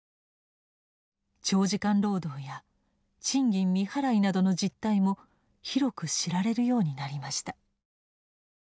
長時間労働や賃金未払いなどの実態も広く知られるようになりました。